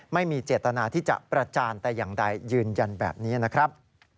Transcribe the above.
ไม่มีเจตนาที่จะประจานแต่อย่างใดยืนยันแบบนี้นะครับ